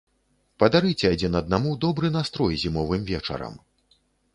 Падарыце адзін аднаму добры настрой зімовым вечарам!